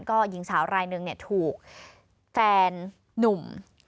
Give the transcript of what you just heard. ก็หญิงสาวรายหนึ่งถูกแฟนนุ่ม